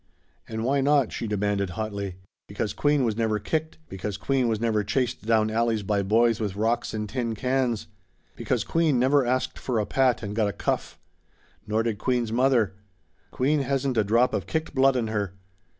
"And why not?" she demanded hotly. "Because Queen was never kicked. Because Queen was never chased down alleys by boys with rocks and tin cans. Because Queen never asked for a pat and got a cuff. Nor did Queen's mother. Queen hasn't a drop of kicked blood in her.